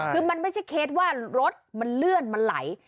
คือมันไม่ใช่เคสว่ารถมันเลื่อนมันไหล